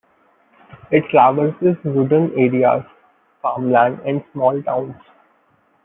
It traverses wooded areas, farmland and small towns.